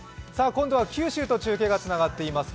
今度は九州と中継がつながっています。